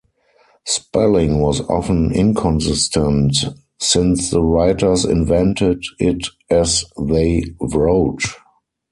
Spelling was often inconsistent, since the writers invented it as they wrote.